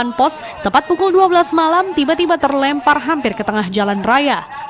di depan pos tepat pukul dua belas malam tiba tiba terlempar hampir ke tengah jalan raya